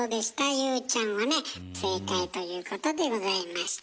ＹＯＵちゃんはね正解ということでございました。